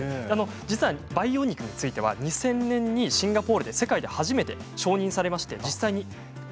実は培養肉については２０００年にシンガポールで世界で初めて失礼しました。